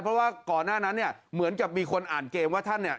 เพราะว่าก่อนหน้านั้นเนี่ยเหมือนกับมีคนอ่านเกมว่าท่านเนี่ย